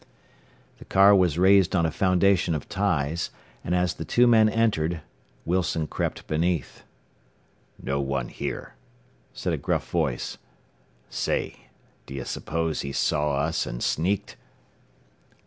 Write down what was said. The car was raised on a foundation of ties, and as the two men entered, Wilson crept beneath. "No one here," said a gruff voice. "Say, do you s'pose he saw us, and sneaked?"